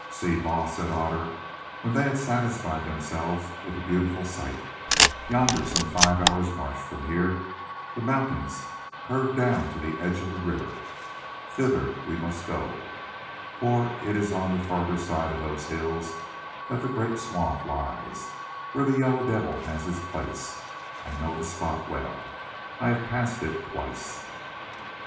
"See, Baas," said Otter, when they had satisfied themselves with the beautiful sight, "yonder, some five hours' march from here, the mountains curve down to the edge of the river. Thither we must go, for it is on the further side of those hills that the great swamp lies where the Yellow Devil has his place. I know the spot well; I have passed it twice."